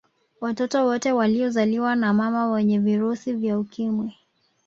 Watoto wote waliozaliwa na mama wenye virusi vya Ukimwi